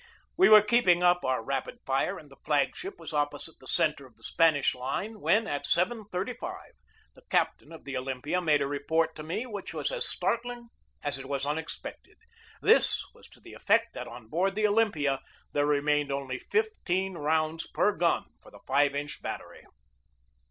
We were keeping up our rapid fire, and the flag ship was opposite the centre of the Spanish line, when, at 7.35, the captain of the Olympia made a report to me which was as startling as it was unexpected. This was to the effect that on board the Olympia there remained only fifteen rounds per gun for the 5 inch battery.